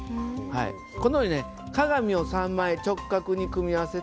このように鏡を３枚直角に組み合わせてできた装置です。